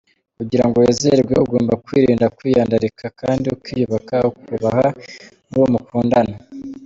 Kugira ngo wizerwe ugomba kwirinda kwiyandarika kandi ukiyubaha, ukubaha nuwo mukundana.